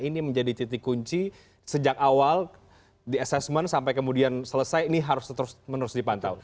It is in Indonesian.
ini menjadi titik kunci sejak awal di assessment sampai kemudian selesai ini harus terus menerus dipantau